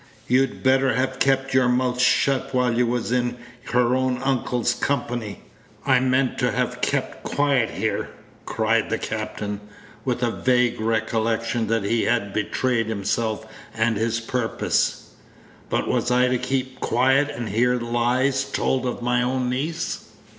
You'd better have kept your mouth shut while you was in her own uncle's company. I meant to have kep' quiet here," cried the captain, with a vague recollection that he had betrayed himself and his purpose; "but was I to keep quiet and hear lies told of my own niece?